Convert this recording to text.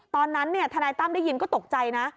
ตอนนั้นทนายตั้มได้ยินก็ตกใจนะ